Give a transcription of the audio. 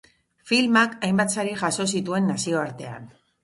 Filmak hainbat sari jaso zituen nazioartean.